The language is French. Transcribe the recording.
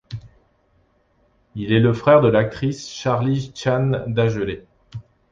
Il est le frère de l'actrice Charlie Chan Dagelet.